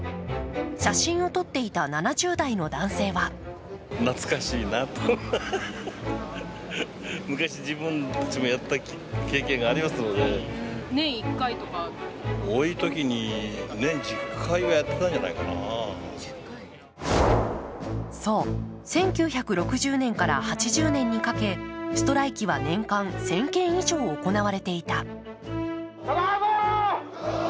写真を撮っていた７０代の男性はそう、１９６０年から８０年にかけ、ストライキは年間１０００件以上行われていた。